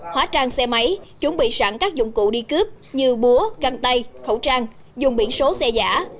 hóa trang xe máy chuẩn bị sẵn các dụng cụ đi cướp như búa găng tay khẩu trang dùng biển số xe giả